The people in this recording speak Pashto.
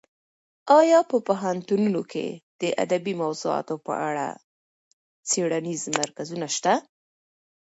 ایا په پوهنتونونو کې د ادبي موضوعاتو په اړه څېړنیز مرکزونه شته؟